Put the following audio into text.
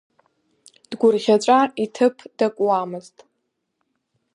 Дгәырӷьаҵәа иҭыԥ дакуамызт.